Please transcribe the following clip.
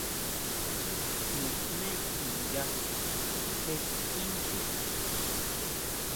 Nijmé nya sitsé inchjín.